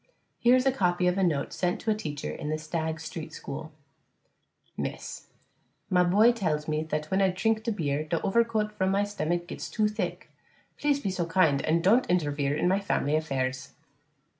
Here is a copy of a note sent to a teacher in the Stagg Street school: _Miss _: My boy tells me that when I trink beer der overcoat vrom my stummack gets to thick. Please be so kind and don't intervere in my family afairs.